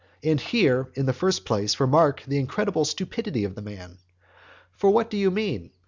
And here, in the first place, remark the incredible stupidity of the man. For what do you mean?